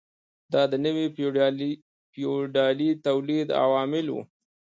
دا د نوي فیوډالي تولید عوامل وو.